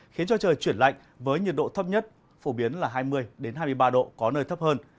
khiến cho trời chuyển lạnh với nhiệt độ thấp nhất phổ biến là hai mươi hai mươi ba độ có nơi thấp hơn